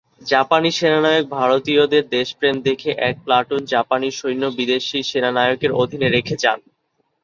জাপানি সেনানায়ক ভারতীয়দের দেশপ্রেম দেখে এক প্লাটুন জাপানি সৈন্য বিদেশি সেনানায়কের অধীনে রেখে যান।